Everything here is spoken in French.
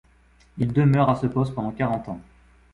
Il demeure à ce poste pendant quarante ans.